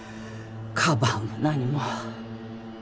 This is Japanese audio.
かばうも何も。